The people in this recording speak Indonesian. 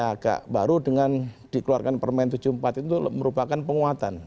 agak baru dengan dikeluarkan permen tujuh puluh empat itu merupakan penguatan